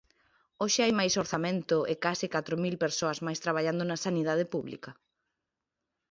¿Hoxe hai máis orzamento e case catro mil persoas máis traballando na sanidade pública?